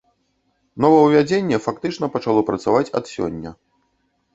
Новаўвядзенне фактычна пачало працаваць ад сёння.